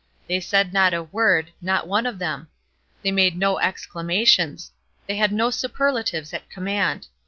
They said not a word; not one of them. They made no exclamations; they had no superlatives at command.